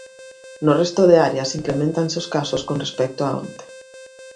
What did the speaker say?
No resto de áreas increméntanse os casos con respecto a onte.